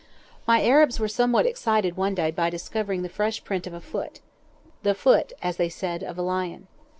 My Arabs were somewhat excited one day by discovering the fresh print of a foot—the foot, as they said, of a lion.